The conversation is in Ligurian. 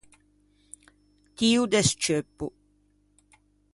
Tio de scceuppo.